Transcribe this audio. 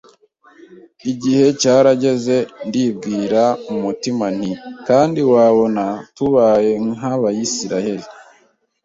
Igihe cyarageze, ndibwira mu mutima nti kandi wabona tubaye nk’Abisirayeri